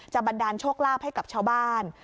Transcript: บันดาลโชคลาภให้กับชาวบ้าน